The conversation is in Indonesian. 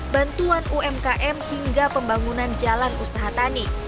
bantuan umkm hingga pembangunan jalan usaha tani